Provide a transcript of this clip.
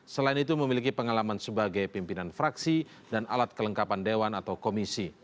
selain itu memiliki pengalaman sebagai pimpinan fraksi dan alat kelengkapan dewan atau komisi